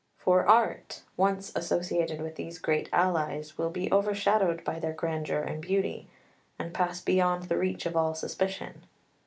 For art, once associated with these great allies, will be overshadowed by their grandeur and beauty, and pass beyond the reach of all suspicion.